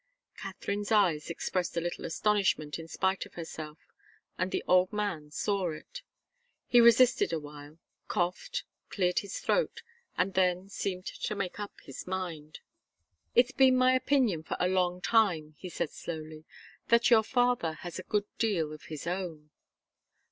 Katharine's eyes expressed a little astonishment in spite of herself, and the old man saw it. He hesitated a while, coughed, cleared his throat, and then seemed to make up his mind. "It's been my opinion for a long time," he said, slowly, "that your father has a good deal of his own."